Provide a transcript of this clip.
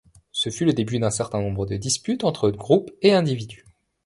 Ce fut le début d'un certain nombre de disputes entre groupes et individus.